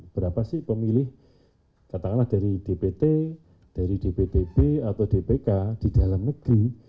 berapa sih pemilih katakanlah dari dpt dari dptb atau dpk di dalam negeri